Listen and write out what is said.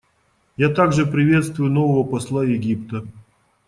Я также приветствую нового посла Египта.